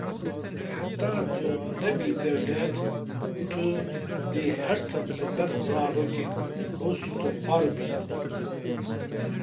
Heta tu nebî dewlet tu dê her tim li ber zarokên xwe stûxwar bî